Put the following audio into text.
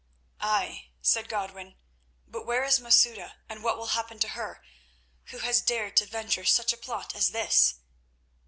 "Ay," said Godwin, "but where is Masouda, and what will happen to her who has dared to venture such a plot as this?